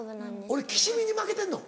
俺きしみに負けてんの？